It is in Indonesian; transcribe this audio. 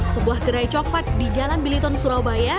sebuah gerai coklat di jalan biliton surabaya